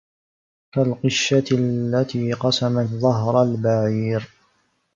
كالقشة التي قصمت ظهر البعير